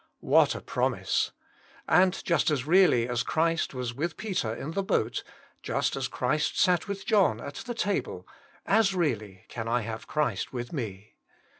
What a promise! And just as really as Christ was with Peter in the boat, ]ust as Christ sat with John at the table, as really can I have Christ with me.